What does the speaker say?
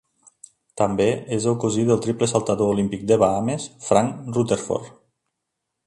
També és el cosí del triple saltador olímpic de Bahames Frank Rutherford.